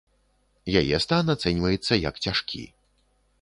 Яе стан ацэньваецца як цяжкі.